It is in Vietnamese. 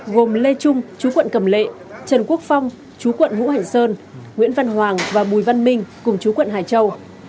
gồm lê trung chú quận cầm lệ trần quốc phong chú quận vũ hành sơn nguyễn văn hoàng và bùi văn minh cùng chú quận hải châu